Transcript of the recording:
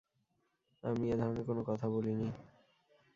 আমি এ ধরনের কোন কথা বলিনি।